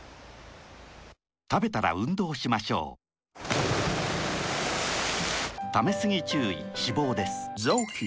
たべたら運動しましょうためすぎ注意脂肪です